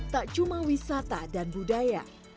tak cuma wisata dan budaya